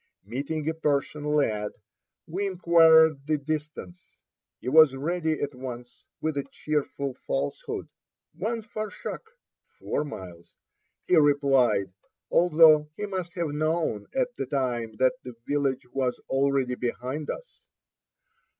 Meeting a Persian lad, we inquired the distance. He was ready at once with a cheerful falsehood. "One farsak" (four miles), he replied, although he must have known at the time that the village was already behind us.